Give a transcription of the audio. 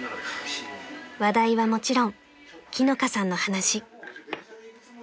［話題はもちろん樹乃香さんの話］